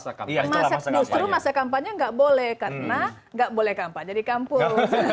justru masa kampanye nggak boleh karena nggak boleh kampanye di kampus